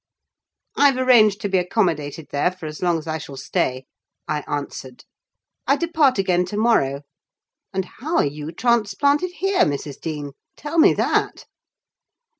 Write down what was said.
"I've arranged to be accommodated there, for as long as I shall stay," I answered. "I depart again to morrow. And how are you transplanted here, Mrs. Dean? tell me that."